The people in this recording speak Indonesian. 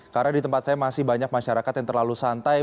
karena di tempat saya masih banyak masyarakat yang terlalu santai